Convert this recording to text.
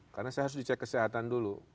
karena saya harus dicek kesehatan dulu